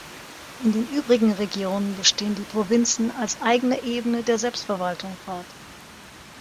In den übrigen Regionen bestehen die Provinzen als eigene Ebene der Selbstverwaltung fort.